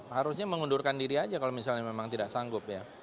harusnya mengundurkan diri saja kalau memang tidak sanggup